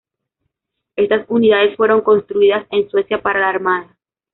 Estas unidades fueron construidas en Suecia para la Armada.